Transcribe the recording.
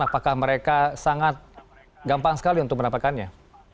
apakah mereka sangat gampang sekali untuk mendapatkannya